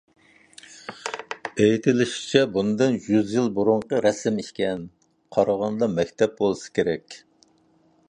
ئېيتىلىشىچە، بۇندىن يۈز يىل بۇرۇنقى رەسىم ئىكەن. قارىغاندا مەكتەپ بولسا كېرەك.